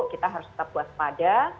kita harus tetap puas pada